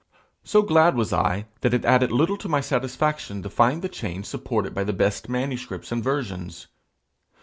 So glad was I, that it added little to my satisfaction to find the change supported by the best manuscripts and versions.